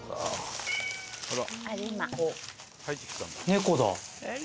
猫だ。